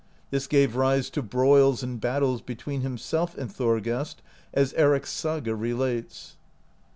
This gave rise to broils and battles between him self and Thorgest, as Eric's Saga relates.